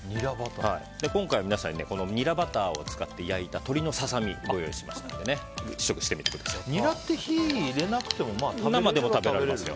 今回は皆さんにニラバターを使って焼いた鶏ささ身をご用意しましたのでニラって火入れなくてもいいんですか。